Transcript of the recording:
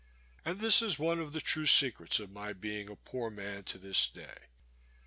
And this is one of the true secrets of my being a poor man to this day.